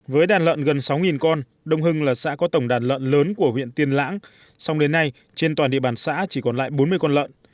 với đàn lợn gần sáu con đông hưng là xã có tổng đàn lợn lớn của huyện tiên lãng song đến nay trên toàn địa bàn xã chỉ còn lại bốn mươi con lợn